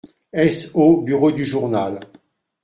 SO bureau du journal.